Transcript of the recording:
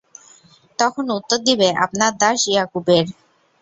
তখন উত্তর দিবে, আপনার দাস ইয়াকুবের।